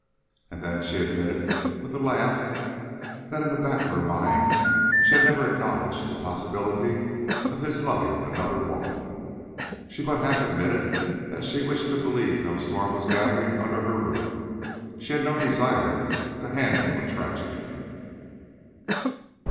And then she admitted with a laugh that in the back of her mind she had never acknowledged the possibility of his loving another woman. She but half admitted that she wished to believe no storm was gathering under her roof. She had no desire to handle a tragedy.